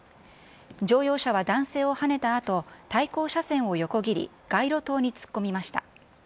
乗用車は男性をはねたあと、対向車線を横切り、街路灯に突っ込みました。